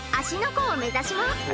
湖を目指します。